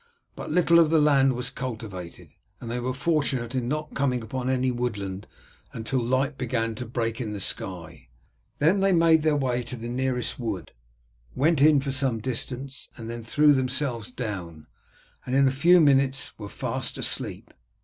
But little of the land was cultivated, and they were fortunate in not coming upon any woodland until light began to break in the sky. Then they made their way to the nearest wood, went in for some distance and then threw themselves down, and in a few minutes were fast asleep.